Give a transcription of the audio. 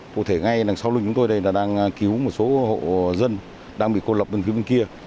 cụ thể ngay đằng sau lưng chúng tôi đang cứu một số hộ dân đang bị cô lập bên phía bên kia